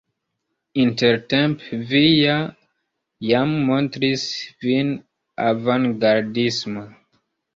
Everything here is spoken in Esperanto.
Intertempe vi ja jam montris vin avangardisma!